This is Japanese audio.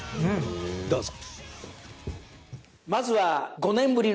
どうぞ。